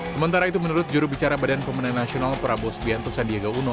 sementara itu menurut jurubicara badan pemenang nasional prabowo sbianto sandiaga uno